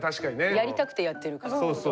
やりたくてやってるからってこと？